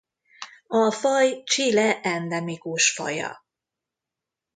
A faj Chile endemikus faja.